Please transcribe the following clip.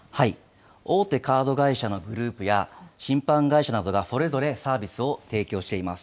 大手カード会社のグループや、信販会社などがそれぞれサービスを提供しています。